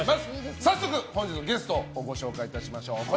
早速、本日のゲストご紹介いたしましょう。